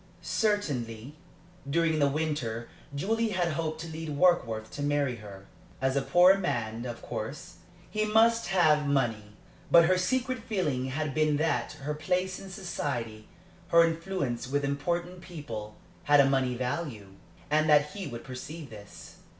Certainly, during the winter, Julie had hoped to lead Warkworth to marry her. As a poor man, of course, he must have money. But her secret feeling had been that her place in society, her influence with important people, had a money value, and that he would perceive this.